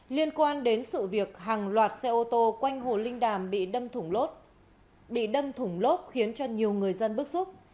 liên quan đến sự việc hàng loạt xe ô tô quanh hồ linh đàm bị đâm thủng lốt khiến cho nhiều người dân bức xúc